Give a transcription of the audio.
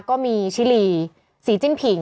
ก็มีชิลีสีจิ้นผิง